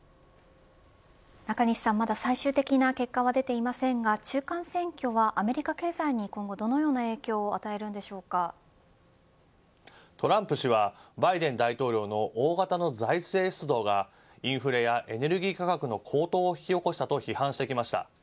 中西さん、まだ最終的な結果は出ていませんが中間選挙はアメリカ経済に今後、どのような影響をトランプ氏はバイデン大統領の大型の財政出動がインフレやエネルギー価格の高騰を引き起こしたと批判してきました。